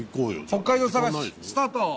北海道さがしスタート！